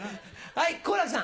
はい。